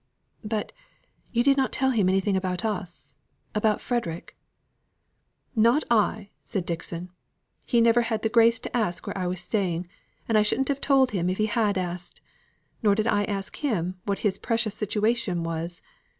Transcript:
"But you did not tell him anything about us about Frederick?" "Not I," said Dixon. "He had never the grace to ask where I was staying; and I shouldn't have told him if he had asked. Nor did I ask him what his precious situation was.